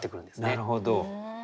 なるほど。